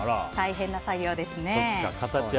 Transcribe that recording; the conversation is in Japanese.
大変な作業ですね。